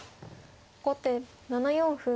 後手７四歩。